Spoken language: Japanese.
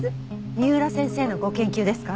三浦先生のご研究ですか？